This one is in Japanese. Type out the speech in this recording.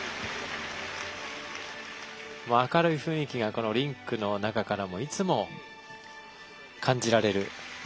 明るい雰囲気がリンクの中からもいつも感じられる